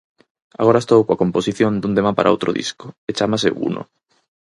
Agora estou coa composición dun tema para outro disco, e chámase 'Uno'.